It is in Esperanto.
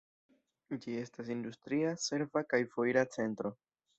Ĝi estas industria, serva kaj foira centro.